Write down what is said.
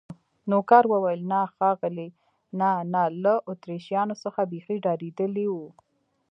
نوکر وویل: نه ښاغلي، نه، نه، له اتریشیانو څخه بیخي ډارېدلی و.